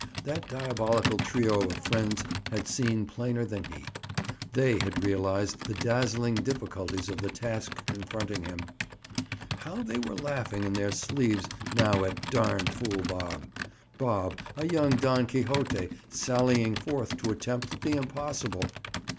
That diabolical trio of friends had seen plainer than he. They had realized the dazzling difficulties of the task confronting him. How they were laughing in their sleeves now at "darn fool Bob!" Bob, a young Don Quixote, sallying forth to attempt the impossible!